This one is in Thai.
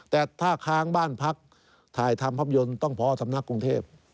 แต่ถ้าค้างบ้านพักถ่ายทำภาพยนตร์ต้องพอสำนักกรุงเทพ